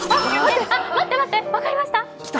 待って、待って、分かりました？